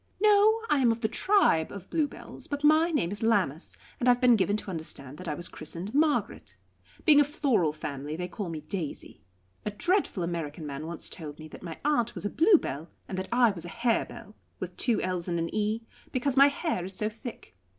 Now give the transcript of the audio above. "No; I am of the tribe of Bluebells, but my name is Lammas, and I have been given to understand that I was christened Margaret. Being a floral family, they call me Daisy. A dreadful American man once told me that my aunt was a Bluebell and that I was a Harebell with two l's and an e because my hair is so thick.